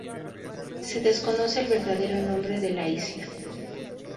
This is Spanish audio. Se desconoce el verdadero nombre de la isla.